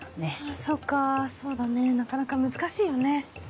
そっかそうだねなかなか難しいよね。